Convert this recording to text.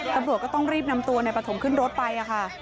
ตำรวจก็ต้องรีบนำตัวนายปฐมขึ้นรถไปค่ะ